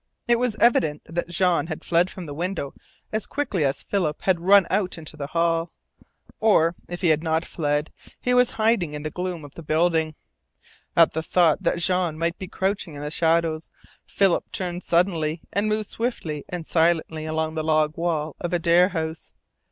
It was evident that Jean had fled from the window as quickly as Philip had run out into the hall. Or, if he had not fled, he was hiding in the gloom of the building. At the thought that Jean might be crouching in the shadows Philip turned suddenly and moved swiftly and silently along the log wall of Adare House.